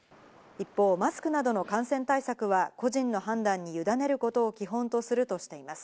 一方、マスクなどの感染対策は個人の判断にゆだねることを基本とするとしています。